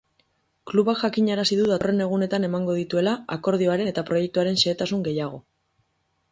Klubak jakinarazi du datorren egunetan emango dituela akordioaren eta proiektuaren xehetasun gehiago.